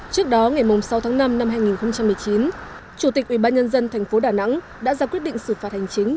trước đó ngày sáu tháng năm năm hai nghìn một mươi chín chủ tịch ubnd tp đà nẵng đã ra quyết định xử phạt hành chính